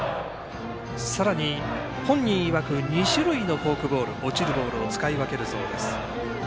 さらに本人いわく２種類のフォークボール落ちるボールを使い分けるそうです。